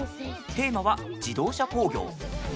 テーマは自動車工業。